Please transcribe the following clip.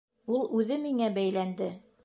Ул үҙе миңә бәйләнде!